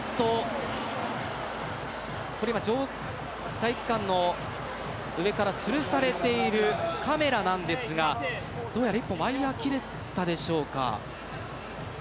体育館の上からつるされているカメラなんですがどうやら１本ワイヤーが切れたでしょうか。